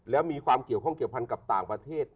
แล้วมีความเกี่ยวข้องเกี่ยวพันธ์กับต่างประเทศ